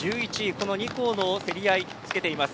この２校の競り合いにつけています。